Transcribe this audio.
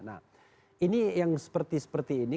nah ini yang seperti seperti ini